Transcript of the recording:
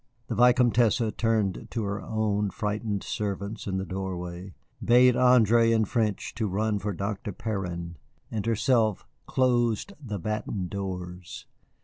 The Vicomtesse turned to her own frightened servants in the doorway, bade André in French to run for Dr. Perrin, and herself closed the battened doors.